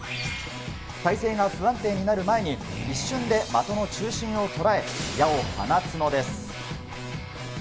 体勢が不安定になる前に一瞬で的の中心をとらえ、矢を放つのです。